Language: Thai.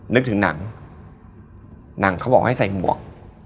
นึกถึงหนังหนังเขาบอกให้ใส่หมวก